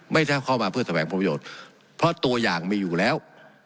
ไม่ใช่เข้ามาเพื่อแสวงประโยชน์เพราะตัวอย่างมีอยู่แล้ว